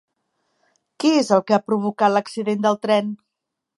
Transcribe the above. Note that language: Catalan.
Què és el que ha provocat l'accident del tren?